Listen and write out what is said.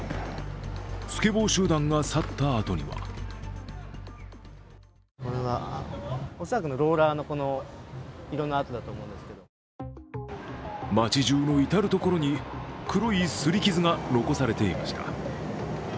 スケボー集団が去ったあとには街中の至る所に黒いすり傷が残されていました。